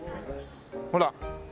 ほら。